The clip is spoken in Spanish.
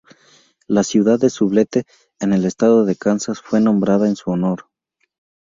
La ciudad de Sublette, en el estado de Kansas, fue nombrada en su honor.